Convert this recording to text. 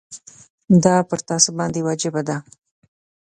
دا پر تاسي باندي واجبه ده.